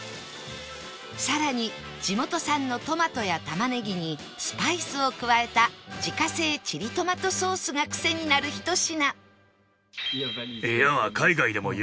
更に地元産のトマトや玉ねぎにスパイスを加えた自家製チリトマトソースがクセになるひと品